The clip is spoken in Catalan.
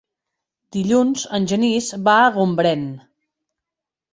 Dilluns en Genís va a Gombrèn.